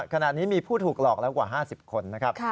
ขณะนี้มีผู้ถูกหลอกแล้วกว่า๕๐คนนะครับ